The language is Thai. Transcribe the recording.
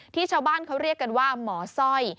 ชาวบ้านเขาเรียกกันว่าหมอสร้อย